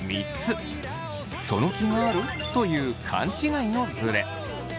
「その気がある？」という勘違いのズレ。